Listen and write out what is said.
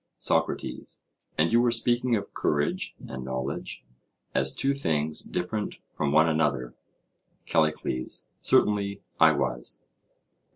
SOCRATES: And you were speaking of courage and knowledge as two things different from one another? CALLICLES: Certainly I was.